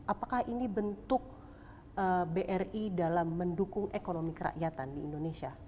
apakah ini bentuk bri dalam mendukung ekonomi kerakyatan di indonesia